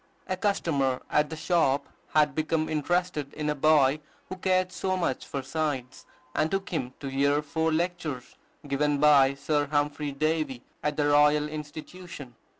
A customer at the shop had become interested in a boy who cared so much for science, and took him to hear four lectures given by Sir Humphry Davy at the Royal Institution.